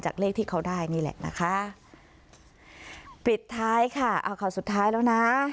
เลขที่เขาได้นี่แหละนะคะปิดท้ายค่ะเอาข่าวสุดท้ายแล้วนะ